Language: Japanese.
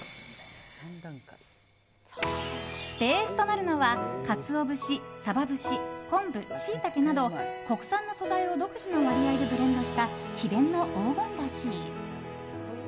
ベースとなるのはカツオ節、サバ節昆布、シイタケなど国産の素材を独自の割合でブレンドした秘伝の黄金だし。